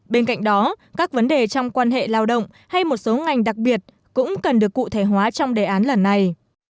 bên cạnh đó các vấn đề trong quan hệ lao động hay một số ngành đặc biệt cũng cần được cụ thể hóa trong đề án lần này